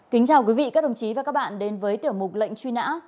kính chào quý vị các đồng chí và các bạn đến với tiểu mục lệnh truy nã